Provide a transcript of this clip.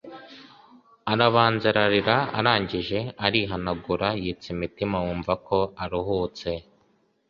arabanza ararira arangije arihanagura yitsa imitima wumva ko aruhutse.